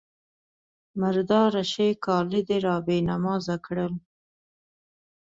_مرداره شې! کالي دې را بې نمازه کړل.